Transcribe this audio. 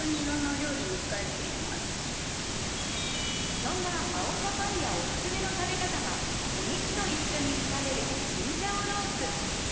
そんな青パパイアおすすめの食べ方がお肉と一緒に炒めるチンジャオロース。